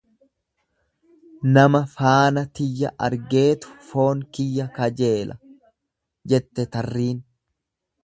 """Nama faana tiyya argeetu foon kiyya kajeela"" jette tarriin."